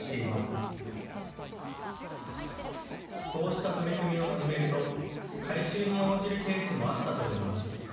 こうした取り組みを始めると改修に応じるケースもあったといいます。